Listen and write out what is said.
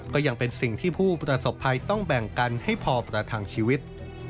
ก็ยังเป็นสิ่งที่ผู้ประสบภัยต้องแบ่งกันให้พอประทังชีวิต